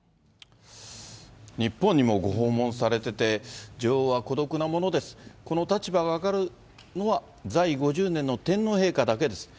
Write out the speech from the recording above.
日本にもご訪問されてて、女王は孤独なものです、この立場が分かるのは、在位５０年の天皇陛下だけです。